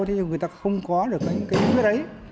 nhưng mà người ta không có được cái nguyên liệu đấy